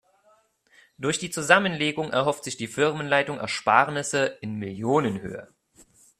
Durch die Zusammenlegung erhofft sich die Firmenleitung Ersparnisse in Millionenhöhe.